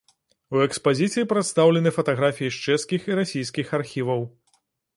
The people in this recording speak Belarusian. У экспазіцыі прадстаўлены фатаграфіі з чэшскіх і расійскіх архіваў.